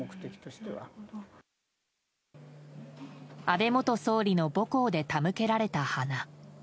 安倍元総理の母校で手向けられた花。